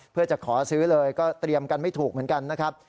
เพื่อจะขอซื้อเลยก็เตรียมกันไม่ถูกเหมือนกันนะครับ